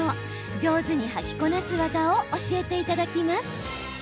上手に履きこなす技を教えていただきます。